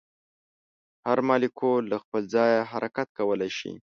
هر مالیکول له خپل ځایه حرکت کولی شي.